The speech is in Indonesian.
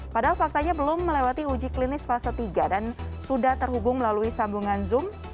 padahal faktanya belum melewati uji klinis fase tiga dan sudah terhubung melalui sambungan zoom